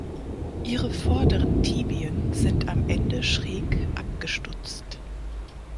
Ihre vorderen Tibien sind am Ende schräg abgestutzt.